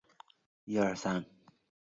该党目前为执政联盟成员之一。